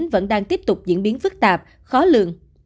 vẫn đang tiếp tục diễn biến phức tạp khó lường